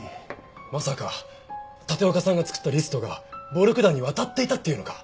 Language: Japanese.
まさか立岡さんが作ったリストが暴力団に渡っていたっていうのか？